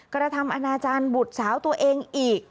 กระทำอนาจารย์บุตรสาวตัวเองอีก